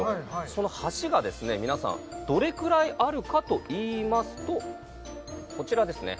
その橋がですね皆さんどれくらいあるかといいますとこちらですね